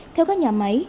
theo các nhà máy